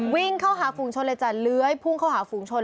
วิ่งเข้าหาฟุงชนเล้อยพรุ้งเข้าหาฟุงชน